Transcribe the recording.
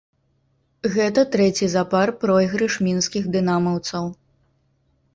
Гэта трэці запар пройгрыш мінскіх дынамаўцаў.